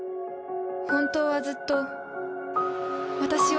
本当はずっと私は。